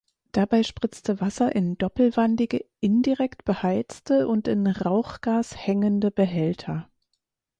Dabei spritzte Wasser in doppelwandige, indirekt beheizte und in Rauchgas hängende Behälter.